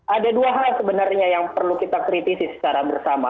ada dua hal sebenarnya yang perlu kita kritisi secara bersama